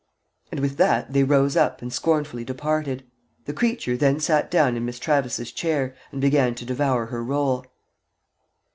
And with that they rose up and scornfully departed. The creature then sat down in Miss Travis's chair and began to devour her roll.